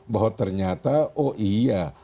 bahwa ternyata oh iya